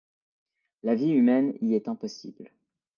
La vie humaine y est impossible.